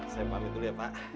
saya pamit dulu ya pak